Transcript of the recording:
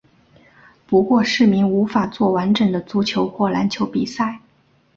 不过市民无法作完整的足球或篮球比赛。